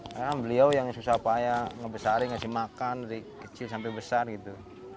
karena beliau yang susah payah ngebesarin ngasih makan dari kecil sampai besar gitu